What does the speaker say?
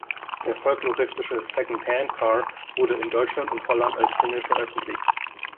Der folkloristische "Second Hand Car" wurde in Deutschland und Holland als Single veröffentlicht.